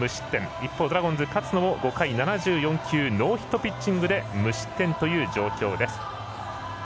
一方、ドラゴンズの勝野も５回７４球ノーヒットピッチングで無失点という状況。